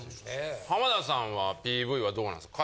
浜田さんはＰＶはどうなんですか？